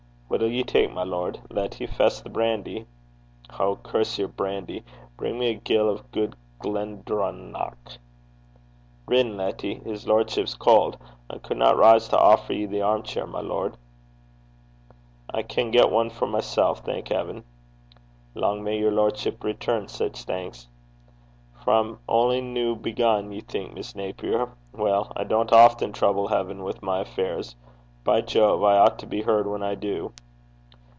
'What'll ye tak', my lord? Letty, fess the brandy.' 'Oh! damn your brandy! Bring me a gill of good Glendronach.' 'Rin, Letty. His lordship's cauld. I canna rise to offer ye the airm cheir, my lord.' 'I can get one for myself, thank heaven!' 'Lang may yer lordship return sic thanks.' 'For I'm only new begun, ye think, Miss Naper. Well, I don't often trouble heaven with my affairs. By Jove! I ought to be heard when I do.'